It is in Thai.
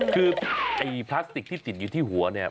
คือไอ้พลาสติกที่ติดอยู่ที่หัวเนี่ย